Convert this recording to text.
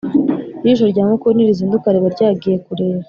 Ijisho rya mukuru ntirizinduka riba ryagiye kureba